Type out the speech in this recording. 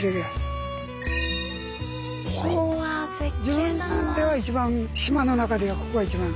自分では一番島の中ではここが一番。